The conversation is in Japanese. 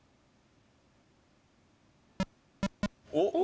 おっ！